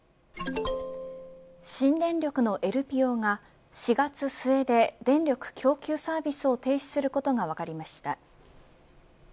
新電力のエルピオが４月末で電力供給サービスを停止することが分かりました。